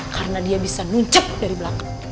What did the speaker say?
karena dia bisa nuncuk dari belakang